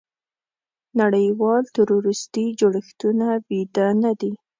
نړیوال تروریستي جوړښتونه ویده نه دي.